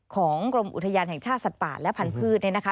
ของกรมอุทยานแห่งชาติสัตว์ป่าและพันธุ์เนี่ยนะคะ